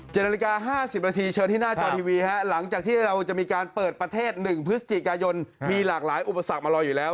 ๗นาฬิกา๕๐นาทีเชิญที่หน้าจอทีวีฮะหลังจากที่เราจะมีการเปิดประเทศ๑พฤศจิกายนมีหลากหลายอุปสรรคมารออยู่แล้ว